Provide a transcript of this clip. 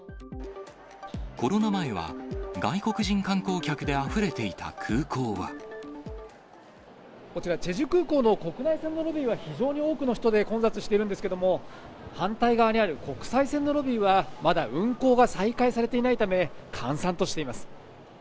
コロナ前は外国人観光客であこちら、チェジュ空港の国内線のロビーは非常に多くの人で混雑しているんですけれども、反対側にある国際線のロビーは、まだ運航が再開されていないため、閑散としています。